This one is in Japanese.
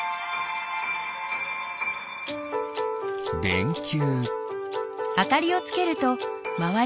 でんきゅう。